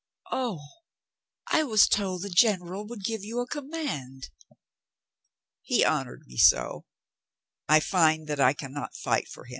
"O ... I was told the general would give you a command." "He honored me so. I find that I can not fight for him."